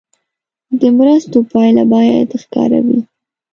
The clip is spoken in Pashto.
د مرستو پایله باید ښکاره وي.